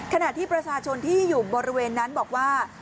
ขณะที่ประชาชนที่อยู่บริเวณนั้นบอกว่า